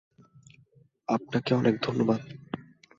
আপনাদের অনেক ধন্যবাদ।